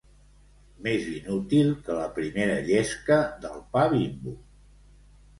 Més inútil que la primera llesca del pa Bimbo.